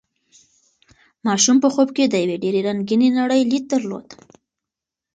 ماشوم په خوب کې د یوې ډېرې رنګینې نړۍ لید درلود.